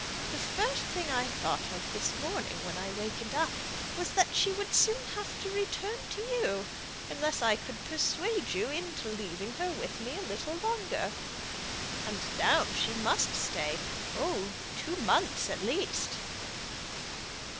The first thing I thought of this morning when I wakened up, was that she would soon have to return to you, unless I could persuade you into leaving her with me a little longer. And now she must stay oh, two months at least."